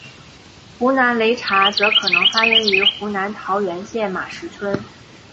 湖南擂茶则可能发源于湖南桃源县马石村。